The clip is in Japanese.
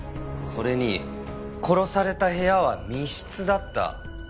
それに殺された部屋は密室だった。